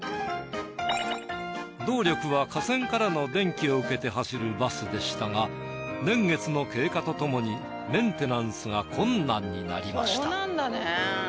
動力は架線からの電気を受けて走るバスでしたが年月の経過とともにメンテナンスが困難になりました。